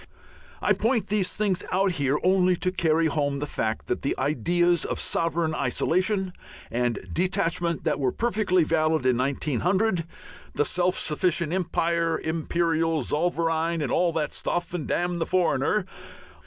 I point these things out here only to carry home the fact that the ideas of sovereign isolation and detachment that were perfectly valid in 1900, the self sufficient empire, Imperial Zollverein and all that stuff, and damn the foreigner!